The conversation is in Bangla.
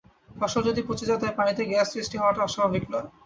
ফসল যদি পচে যায়, তবে পানিতে গ্যাস সৃষ্টি হওয়াটা অস্বাভাবিক নয়।